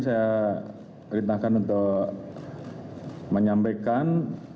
saya rintakan untuk menyampaikan